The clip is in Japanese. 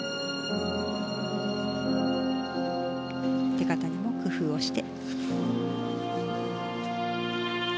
出方にも工夫をして。